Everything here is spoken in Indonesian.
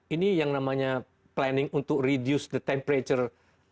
ini yang namanya planning untuk reduce the temperature